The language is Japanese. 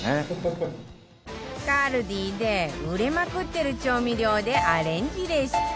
ＫＡＬＤＩ で売れまくってる調味料でアレンジレシピ